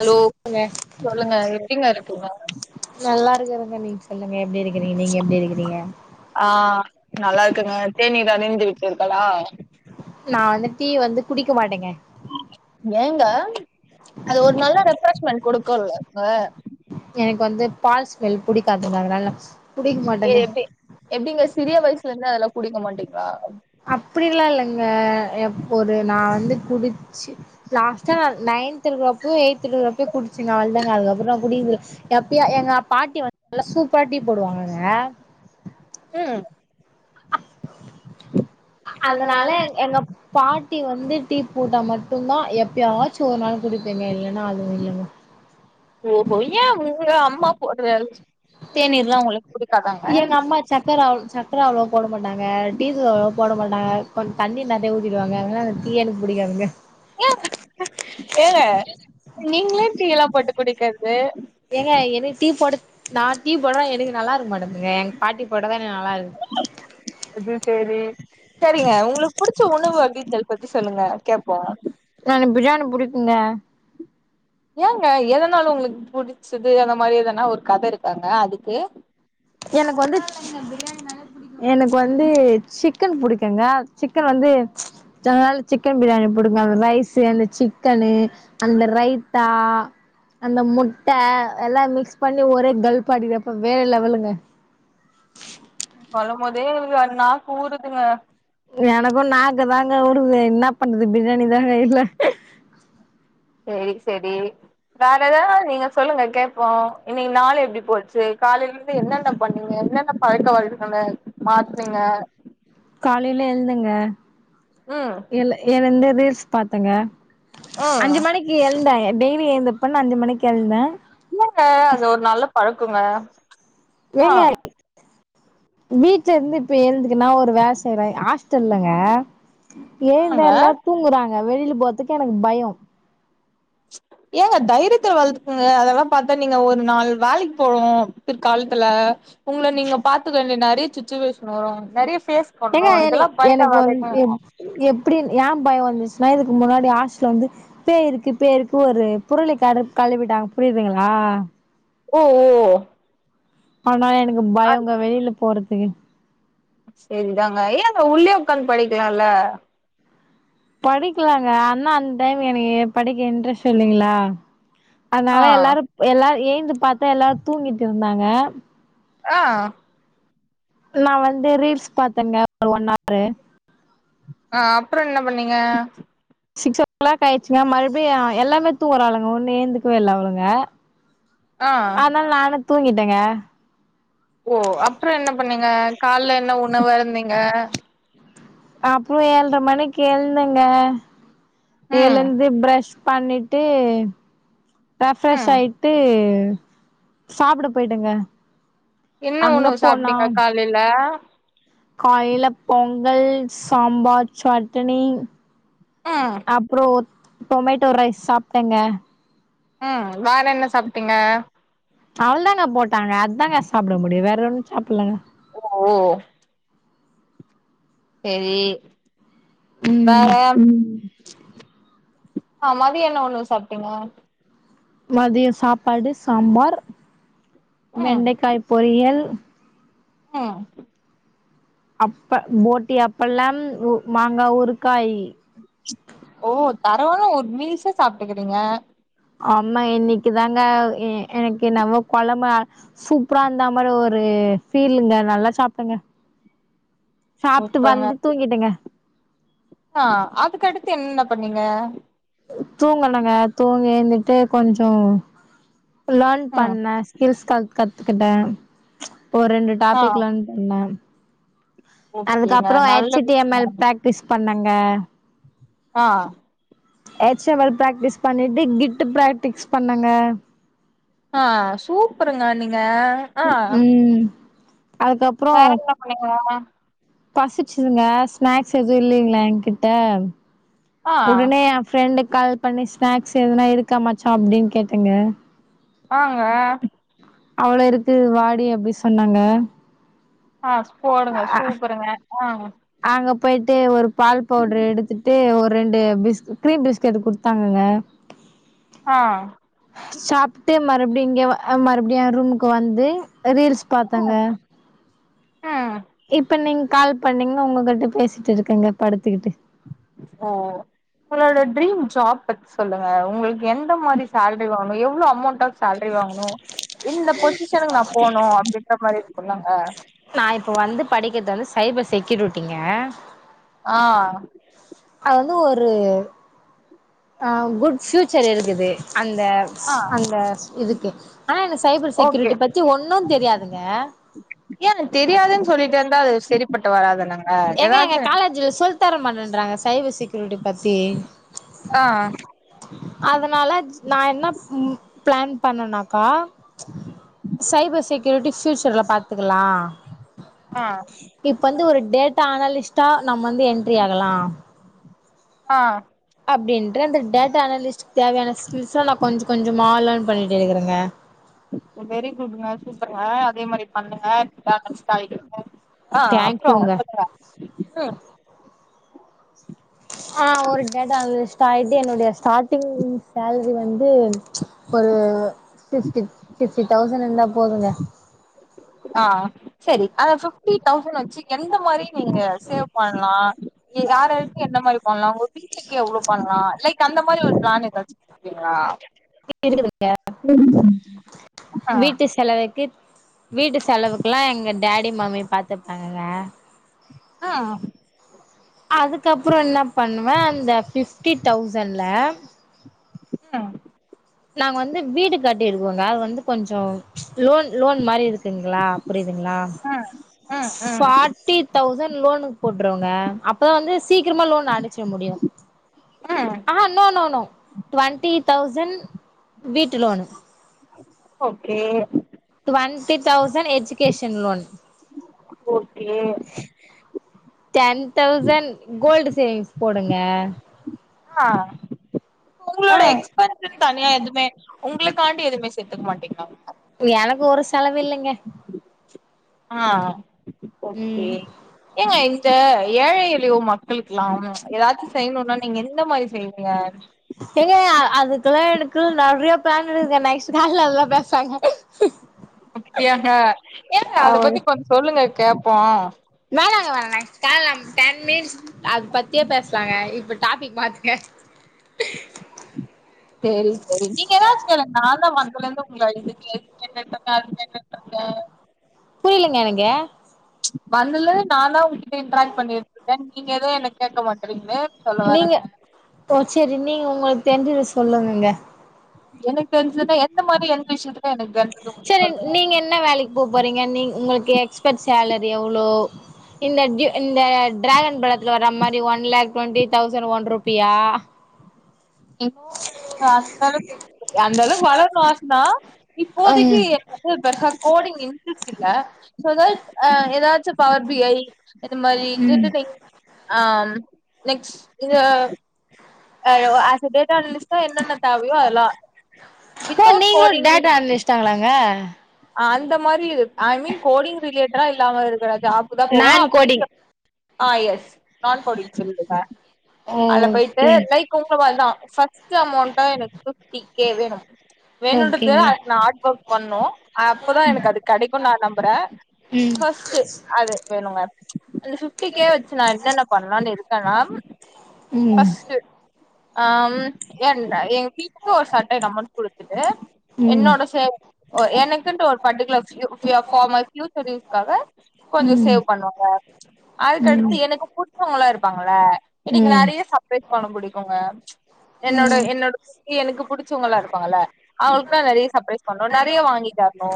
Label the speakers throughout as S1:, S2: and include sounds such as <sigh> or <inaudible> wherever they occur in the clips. S1: hello
S2: ங்க
S1: சொல்லுங்க எப்டிங்க இருக்கீங்க
S2: நல்லா இருக்குறீங்க நீங்க சொல்லுங்க எப்டி இருக்குறீங் நீங்க எப்டி இருக்குறீங்க
S1: ஆ நல்லா இருக்கேங்க தேநீர் அருந்தி விட்டீர்களா
S2: நா வந்து டீ வந்து குடிக்க மாட்டேங்க
S1: ஏங்க அது ஒரு நல்ல ரெஃப்ரெஷ்மெண்ட் குடுக்குல்லங்க
S2: எனக்கு வந்து பால் ஸ்மெல் புடிக்காதுங்க அதனால குடிக்க
S1: ஏ
S2: மாட்டேங்க
S1: எப்டி எப்டிங்க சிறிய வயசுல இருந்து அதெல்லா குடிக்க மாட்டீங்களா
S2: அப்டிலா இல்லங்க எப் ஒரு நா வந்து குடிச்சு லாஸ்ட்டா நா நைன்த் இருக்குறப்பயோ எயித் இருக்குறப்பயோ குடிச்சேங்க அவ்ளோ தாங்க அதுக்கப்புறோ குடிக்குறது இல்ல எப்பயா எங்க பாட்டி வந்து நல்லா சூப்பரா டீ போடுவாங்கங்க
S1: அ
S2: அதனால எங் எங்க பாட்டி வந்து டீ போட்டா மட்டும்தா எப்பயாச்சு ஒரு நாள் குடிப்பேங்க இல்லைன்னா அதுவும் இல்லங்க
S1: ஓஹோ ஏன் உங்க அம்மா போடுற தேநீர்லா உங்களுக்கு பிடிக்காதாங்க
S2: எங்க அம்மா சக்கர அவ்ள் சக்கர அவ்ளோ வா போட மாட்டாங்க டீ தூள் அவ்ளவோ போட மாட்டாங்க கொஞ் தண்ணி நெறியா ஊத்திருவாங்க டீயே எனக்கு பிடிக்காதுங்க
S1: ஏ ஏங்க நீங்களே டீ எல்லா போட்டு குடிக்கிறது
S2: ஏங்க எனக்கு டீ போட நா டீ போட எனக்கு நல்லா இருக்க மாட்டிங்குதுங்க பாட்டி போடுறதா எனக்கு நல்லா இருக்கு
S1: அது சேரி செரிங்க உங்களுக்கு புடிச்ச உணவு வகைகள் பத்தி சொல்லுங்க கேப்போ
S2: எனக்கு பிரியாணி புடிக்குங்க
S1: ஏங்க எதனால உங்களுக்கு புடிச்சது அந்த மாதிரி எதனா ஒரு கதை இருக்காங்க அதுக்கு
S2: எனக்கு வந்து <unintelligible> லா இல்லங்க பிரியாணிணாலே எனக்கு வந்து சிக்கன் பிடிக்குங்க சிக்கன் வந்து அதனால சிக்கன் பிரியாணி போட்டுக்குவே அந்த ரைஸ் அந்த சிக்கனு அந்த ரைத்தா அந்த முட்ட எல்லா மிக்ஸ் பண்ணி ஒரே கல்ப்பா ஆடிறப்ப வேற லெவலுங்க <inaudible>
S1: சொல்ல போதே எ நாக்கு ஊறுதுங்க
S2: எனக்கு நாக்கு தாங்க உடுது என்ன பண்றது பிரியாணி தாங்க இல்ல
S1: செரி செரி வேற எதா நீங்க சொல்லுங்க கேப்போ இன்னிக்கு நாள் எப்டி போச்சு காலைலந் து என்னென்ன பண்ணீங்க என்னென்ன பழக்க வழக்கங்க மாத்துறீங்க
S2: காலையில எழுதுங்க
S1: ம்
S2: எழு எழுந்து ரீல்ஸ் பாத்தங்க
S1: ம்
S2: அஞ்சு மணிக்கு எழுந்தே டெய்லி எழுந்தப்பன்னு அஞ்சு மணிக்கு எழுந்தே
S1: இல்லங்க அது ஒரு நல்ல பழக்கொங்க
S2: நீங்க வீட்டு்ல இருந்து இப்ப எந்துறுன்னா ஒரு வே செய்வே ஹாஸ்டல்லங்க எழுந்த
S1: ஆங்க
S2: எல்லா தூங்குறாங்க வெளியில போறதுக்கு எனக்கு பயொ
S1: <inaudible> ஏங்க தைரியத்த வளத்துக்குங்க அதெல்லா பாத்தா நீங்க ஒரு நாள் வேலைக்கு போவோ பிற்காலத்துல உங்ள நீங்க பாத்துக்க வேண்டிய நறைய சுச்சுவேஷன் வரு நறைய ஃபேஸ்
S2: எங்க
S1: பண்ணு
S2: எனி
S1: இதெல்லா பயந்த
S2: எனக்கு வந்
S1: வேலைங்க
S2: ம் எபடி எ பய வந்துச்சுன்னா இதுக்கு முன்னாடி ஹாஸ்ட்ல வந்து பேய் இருக்கு பேய் இருக்கு ஒரு புரளி கரு கழுவிட்டாங்க புரியுதுங்களா
S1: ஒ ஓ
S2: ஆனா எனக்கு பயோங்க வெளில போறதுக்கு
S1: சேரிதாங்க ஏங்க உள்ளே உக்காந்து படிக்கலால
S2: படிக்குலாங்க ஆனா அந்த் டைம் எனக்கு படிக்க இன்ட்ரெஸ்ட் இல்லைங்களா
S1: ஆ
S2: அனால எல்லாருப் எல்லாரு ஏந்து பாத்தே எல்லாரு தூங்கிட்டு இருந்தாங்க
S1: ஆ
S2: நா வந்து ரீல்ஸ் பாத்தேங்க ஒரு ஒன் ஆரு
S1: ஆ அப்புறோ என்ன பண்ணீங்க
S2: சிக்ஸ் ஓ கிளாக் ஆயிச்சுங்க மறுபியு எல்லாமே தூகுறாளுங்க ஒண்ணு ஏழுந்துக்கவே இல்ல அவளுங்க
S1: <inaudible>
S2: அனால நானு தூங்கிட்டேங்க
S1: ஓ அப்புறோ என்ன பண்ணீங்க கால்ல என்ன உணவு அருந்திங்க
S2: அப்புறோ ஏழ்ர மணிக்கு எழுந்தங்க
S1: ம்
S2: எழுந்து ப்ரஷ் பண்ணிட்டு ரெஃப்ரெஷ்
S1: ம்
S2: ஆயிட்டு சாப்ட போய்டேங்க
S1: என்ன உணவு சாப்ட்டீங்க காலைல
S2: காலைல பொங்கல் சாம்பார் சட்டுனி
S1: ஆ
S2: அப்புறோ டொமேட்டோ ரைஸ் சாப்டங்க
S1: ம் வேற என்ன சாப்டீங்க
S2: அவள்த்தாங்க போட்டாங்க அத்தாங்க சாப்ட முடியு வேற ஒண்ணு சாப்பிட்லங்க
S1: ஒ ஓ செரி வேற
S2: ம்
S1: ஆ மதிய என்ன உணவு சாப்டீங்க
S2: மதியோ சாப்பாடு சாம்பார்
S1: ம்
S2: வெண்டைக்காய் பொரியல்
S1: ம்
S2: அப்ப போட்டி அப்பளம் மாங்கா ஊறுக்காய்
S1: ஓ பரவால ஒரு மீல்ஸா சாப்டுக்குறீங்க
S2: அம்மா இன்னிக்குதாங்க எ எனக்கு என்னமோ கொழம்பு ஆ சூப்பரா இருந்த மாரி ஒரு ஃபீலுங்க நல்லா சாப்டங்க
S1: <inaudible>
S2: சாப்ட்டு வந்து தூங்கிட்டங்க
S1: ஆ அதுக்கடுத்து என்னென்ன பண்ணீங்க
S2: தூங்கணுங்க தூங்கி ஏந்துட்டு கொஞ்சோ லேர்ன்
S1: ம்
S2: பண்ண கில்ஸ் கால் கத்துக்கிட்டே ஒரு ரெண்டு
S1: ஆ
S2: டாபிக் லேர்ன் பண்ணே
S1: ஓகேங்க
S2: அதுக்கப்புறோ
S1: நல்ல
S2: ஹெச் டி எம்
S1: விஷயோ
S2: எல் பிராக்டிஸ் பண்ணங்க
S1: ஆ
S2: ஹச் எம் எல் பிராக்டிஸ் பண்ணிட்டு கிட்டு பிராக்டிஸ் பண்ணங்க
S1: அ சூப்பருங்க நீங்க அ
S2: ம்
S1: பேரகிராஃப் பண்ணிங்களாமா
S2: பசிச்சிதுங்க ஸ்நாக்ஸ் எதுவு இல்லைங்களா எ கிட்ட
S1: ஆ
S2: உடனே ஃப்ரெண்டுக்கு கால் பண்ணி ஸ்நாக்ஸ் எதுனா இருக்கா மச்சா அப்டின்னு கேட்டங்க
S1: ஆங்க
S2: அவ்ளோயிருக்கு வாடி அப்டி சொன்னாங்க
S1: ஆ போடுங்க
S2: அ
S1: சூப்பருங்க ஆ
S2: அங்க போயிட்டு ஒரு பால் பவுடுரு எடுத்துட்டு ஒரு ரெண்டு பிஸ் கிரீம் பிஸ்கெட்டு குடுத்தாங்கங்க
S1: ஆ
S2: சாப்ட்டு மறுபடியு இங்க மறுபடியு ரூமுக்கு வந்து ரீல்ஸு பாத்தங்க
S1: ஆ
S2: இப்ப நீங்க கால் பண்ணீங்ளா உங்ககிட்ட பேசிட்டு இருக்கேங்க படுத்துக்கிட்டு
S1: ஓ உங்களோட ட்ரீம் ஜாப் பத்தி சொல்லுங்க உங்குளுக்கு எந்த மாரி சாலரி வாங்குனோ எவ்வளோ அமௌண்ட்டா சேலரி வாங்கணோ இந்த பொசிஷனுக்கு நா போனோ அப்டீன்ற மாரி இருக்கோலங்க
S2: நா இப்ப வந்து படிக்குறது வந்து சைபர் செக்யூரிட்டிங்க
S1: ஆ
S2: அது வந்து ஒரு ஆ குட்ஃபியூச்சர் இருக்குது அந்த
S1: ஆ
S2: அந்த இதுக்கு ஆனா எனக்கு சைபர்
S1: ஓகே
S2: செக்யூரிட்டி பத்தி ஒன்னோ தெரியாதுங்க
S1: ஏ அது எனக்கு தெரியாதுன்னு சொல்லிட்டு இர்ந்தா அது செரிப்பெட்டு வராதுலங்க
S2: ஏங்க எங்க
S1: ஏதாச்சு
S2: காலேஜ்ல சொல்லி தர மாட்டேன்றாங்க சைபர் செக்யூரிட்டி பத்தி
S1: ஆ
S2: அதனால நா என்ன பிளான் பண்ணனாக்கா சைபர் செக்யூரிட்டி ஃபியூச்சர்ல பாத்துக்குலா
S1: ஆ
S2: இப்ப வந்து ஒரு டேட்டா அனலிஸ்ட்டா நம்ம வந்து என்ட்ரி ஆகலா
S1: ஆ
S2: அப்டின்ட்டு அந்த டேட்டா அனாலிஸ்ட்க்கு தேவயான ஸ்கில்ஸெல்லா நா கொஞ்சோ கொஞ்சோமா லேர்ன் பண்ணிட்டு இருக்குறேங்க
S1: வெரி குட்ங்க சூப்பருங்க அதே மாரி பண்ணுங்க அதே செட் <unintelligible> ஆ அப்புறோ
S2: தேங்க்யூங்க
S1: சொல்லுங்க ம்
S2: ஆ ஒரு டேட்டா அனாலிசிஸ்டாயிட்டு என்னோடைய ஸ்டார்ட்டிங் சேலரி வந்து ஒரு ஃபிஃப்ட்டி ஃபிஃப்ட்டி தௌஸண்ட் இர்ந்தா போதுங்க
S1: ஆ செரி ஃபிஃப்டி தௌசண்ட் வெச்சு எந்த மாரி நீங்க சேவ் பண்லா நீங்க யார வெச்சு என்ன மாரி பண்லா ஒரு பீ டெக்கு எவ்ளோ பண்லா லைக் அந்த மாரி ஒரு பிளான் ஏதாச்சு ஆ
S2: வீட்ல இருக்குதுங்க
S1: <unintelligible> ஆ
S2: வீட்டு செலவுக்கு வீட்டு செலவுக்குலா எங்க டேடி மம்மி பாத்துப்பாங்கங்க
S1: ஆ
S2: அதுக்கப்புறோ என்ன பண்ணுவே அந்த ஃபிஃப்டி தௌசண்ட்ல
S1: ம்
S2: நாங்க வந்து வீடு கட்டிருக்கோங்க அது வந்து கொஞ்சம் லோன் லோன் மாரி இருக்குங்ளா புரிதுங்ளா
S1: ம் ம் ம்
S2: ஃபார்ட்டி தௌசண்ட் லோனுக்கு போட்டுருவங்க அப் பதா வந்து சீக்கிரமா லோன் அடச்சிட முடியு
S1: ம்
S2: ஆஹ னோ னோ டுவெண்ட்டி தௌசண்ட் வீட்டு loan
S1: okay
S2: twenty thousand education loan
S1: ஓ Clair
S2: ten thousand gold savings போடுங்க
S1: ஆ
S2: ஆ
S1: உங்களோட எக்ஸ்பேன்ஸ் தனியா எதுமே உங்ளுக்காண்டி எதுமே சேர்த்துக்க மாட்டீங்கங்ளா
S2: எனக்கு ஒரு செலவு இல்லிங்க
S1: ஆஹ் ஓகே
S2: ம்
S1: ஏங்க இந்த ஏழை எளியோர் மக்களுக்கெல்லாம் ஏதாச்சும் செய்யணும்னா நீங்க எந்த மாரி செய்வீங்க
S2: ஏங்க அதுக்குல்லா எனக்குலா நெறைய பிளான் இருக்குங்க நெக்ஸ்ட் கால்ல அதல்லா பேசாலாங்க
S1: அப்டியாங்க ஏங்க அது
S2: ஆமாங்க
S1: பத்தி கொஞ்சோ சொல்லுங்க கேப்போ
S2: வேணாங்க வேணாங்க காலையிலா டென் மினிட்ஸ் அது பத்தியே பேசலாங்க இப்ப டாபிக் மாத்துங்க
S1: சேரி செரி நீங்க ஏதாச்சு கேளுங்க நாந்தா வந்தலேந்து உங்கள இது கேட்டுட்டுருக்க அது கேட்டுட்டு ருக்க
S2: புரியலங்க எனக்கு
S1: வந்தலேந்து நான்தா உங்ககிட்ட இன்ராக்ட் பண்ணிட்டுருகே நீங்க ஏது என்ன கேக்க மாட் றீங்களேன் சொல்லவரே
S2: நீங்க ஓ செரி நீங்க உங்களுக்கு தெரிஞ்சத சொல்லுங்கங்க
S1: எனக்கு தெரிஞ்சுதுன எந்த மாரி எந்த விஷயத்துல எனக்கு தெரிஞ்சது உங்களுக்கு
S2: செரி
S1: சொல்லுங்க
S2: நீங்க என்ன வேலைக்கு போ போறீங்க நீ உங்களுக்கு எக்ஸ்பர்ட் சேலரி எவ்ளோ இந்த இந்த டிராகன் படத்தில வர்ற மாரி one lakh twenty thousand one ருப்பியா
S1: எவ்ளோ அந்த அளவுக்கு வளரணு ஆசதா இப்போதைக்கு
S2: ம்
S1: பெர்ஸா கோடிங் இன்ட்ரெஸ்ட் இல்ல ஷோ அதனால் ஏதாச்சும் பவர் பி ஐ இது மாதரி
S2: ம்
S1: த்ரெட்டனிங் ஆ நெக்ஸ்ட் ஆஹ் ஆசா எ டேட்டா அனாலிஸ்ட்டா என்னென்ன தேவையோ அதல்லா வித்தவுட் கோடிங்
S2: டாங்கலாங்க
S1: அந்த மாரி இரு ஐ மீன் கோடிங் ரிலேட்டடா இல்லாம இருக்க ஜாப்க்கு தா போவ
S2: நான்
S1: அப்டின்ற
S2: கோடிங்
S1: ஆஹ் எஸ் நான் கோடிங் சொல்லீடுங்க அதுலா போய்ட்டு
S2: ஓகே
S1: லைக் உங்க மாரி ஃபர்ஸ்ட் அமௌண்டா எனக்கு பிப்டி கே வேணும் வேணுன்றது
S2: ஓகேங்க
S1: அதுக் நா ஹார்ட் ஒர்க் பண்ணோ அப்பதா எனக்கு அது கெடைக்குனு நா நம்புறே
S2: ம்
S1: ஃபஸ்டு அது வேணுங்க அந்த ஃபிப்டிகேவச்சு நா என்னன்ன பண்லானு இருக்கனா
S2: ம்
S1: ஃபஸ்ட்டு ஹாம் ஏன்னா எங் வீட்டுக்கு ஒரு சர்டைன் அமௌண்ட் குடுத்துட்டு
S2: ம்
S1: என்னோட சேவிங் ஓர் எனக் குன்டு ஒரு ஃபர்டிகுலர் வ்யு பார்மை ஃபியூச்சர் யூஸ்காக கொஞ்சோ
S2: ம் ம்
S1: சேவ் பண்ணுவங்க
S2: ம்
S1: அதுக்கடுத்து
S2: ம்
S1: எனக்கு புடிச்சவங்களா இருப்பாங்கள என்னக்கு நெறைய சர்ப்ரைஸ் பண்ண புடிக்குங்க என்னோட
S2: ம்
S1: என்னோடு எனக்கு புடிச்சவங்களலா இருப்பாங்களலா அவ்களுக்கு நெறைய சர்பிரைஸ் பண்ணோ நெறைய வாங்கிதரன் னு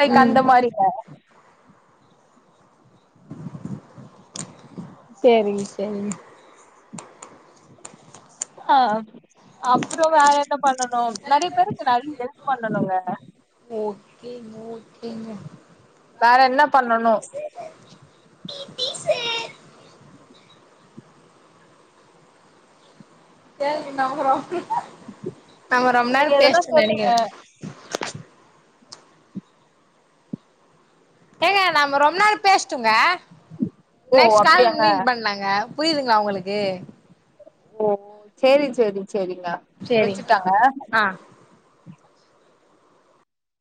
S1: லைக் அந்த மாரிங்க
S2: செரிச்ங செரிங்க
S1: ஆ அப்புறம் வேற என்ன பண்ணனு நெறைய பேருக்கு நெறைய ஹெல்ப் பண்ணணுங்க
S2: ஓகேங்க ஓக்கேங்க
S1: வேற என்ன பண்ணணு
S2: செரிங்க நம்ரோ நம்ம ரொம்ப நேர
S1: நீங்க எதனா
S2: பேசிடோனு
S1: சொல்லுங்க
S2: நெனக்கற ஏங்க நம்ம ரொம்ப நேர பேச்டோங்க
S1: ஓ
S2: நெக்ஸ் கால்ல
S1: அப்டியாங்க
S2: மீட் பண்ணலாங்க புரியுதுங்களா உங்களுக்கு
S1: ம் சேரி சேரி சேரிங்க
S2: சேரிங்க
S1: வச்சுடாங்க
S2: ஆ